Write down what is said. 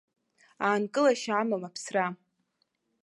Аанкылашьа амам аԥсра!